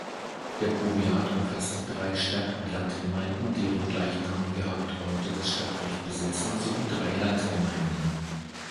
Der Powiat umfasst drei Stadt-und-Land-Gemeinden, deren gleichnamige Hauptorte das Stadtrecht besitzen, sowie drei Landgemeinden.